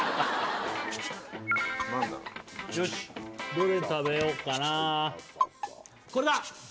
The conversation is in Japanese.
よしどれ食べよっかなこれだ！